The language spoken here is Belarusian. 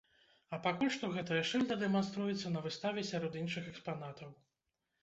А пакуль што гэтая шыльда дэманструецца на выставе сярод іншых экспанатаў.